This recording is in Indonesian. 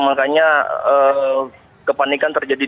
makanya kepanikan terjadi